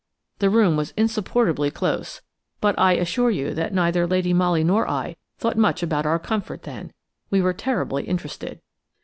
The room was insupportably close, but I assure you that neither Lady Molly nor I thought much about our comfort then. We were terribly interested.